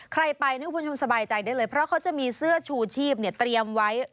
ใครไปนึกว่าคุณชมสบายใจได้เลยเพราะเขาจะมีเสื้อชูชีพเตรียมไว้